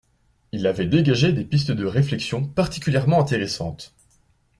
Il avait dégagé des pistes de réflexion particulièrement intéressantes.